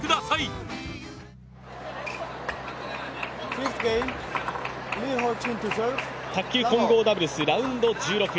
新しい「本麒麟」卓球混合ダブルスラウンド１６。